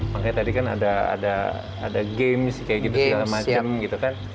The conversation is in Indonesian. makanya tadi kan ada games sih kayak gitu segala macem gitu kan